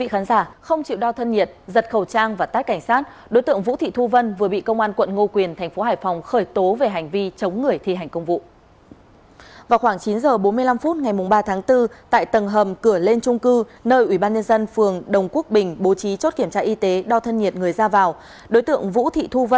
hãy đăng ký kênh để ủng hộ kênh của chúng mình nhé